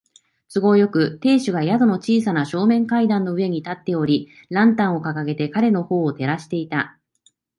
都合よく、亭主が宿の小さな正面階段の上に立っており、ランタンをかかげて彼のほうを照らしていた。